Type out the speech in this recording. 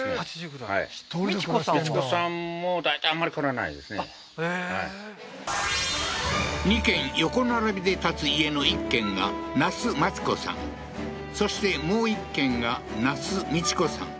はい２軒横並びで建つ家の１軒がナスマチコさんそしてもう１軒がナスミチコさん